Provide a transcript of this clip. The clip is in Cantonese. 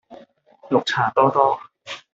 綠茶多多